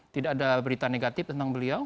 tidak ada berita negatif tentang beliau